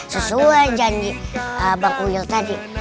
sesuai janji bang wil tadi